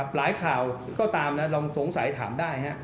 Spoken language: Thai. หลายข่าวก็ตามนะลองสงสัยถามได้